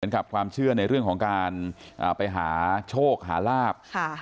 กับความเชื่อในเรื่องของการไปหาโชคหาลาบ